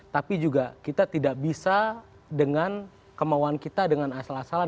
tapi juga kita tidak bisa dengan kemauan kita dengan asal asalan